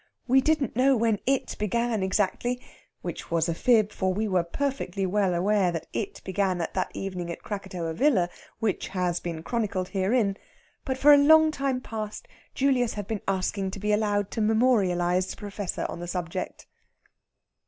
We didn't know when "it" began exactly which was a fib, for we were perfectly well aware that "it" began that evening at Krakatoa Villa, which has been chronicled herein but for a long time past Julius had been asking to be allowed to memorialise the Professor on the subject.